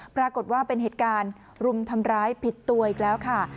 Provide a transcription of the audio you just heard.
ปรากฏว่าเป็นเหตุการณ์รุมทำร้ายผิดตัวอีกแล้วค่ะ